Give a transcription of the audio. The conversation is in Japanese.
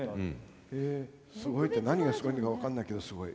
すごいって何がすごいのか分かんないけどすごい。